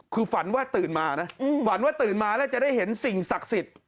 คือฝันว่าตื่นมานะฝันว่าตื่นมาแล้วจะได้เห็นสิ่งศักดิ์สิทธิ์